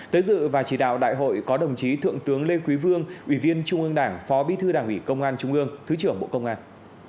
tới dự và chỉ đạo đại hội có đồng chí thượng tướng lê quý vương ủy viên trung ương đảng phó bí thư đảng ủy công an trung ương thứ trưởng bộ công an